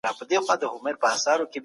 په ګرځېدو کې د بدن وزن نه زیاتېږي.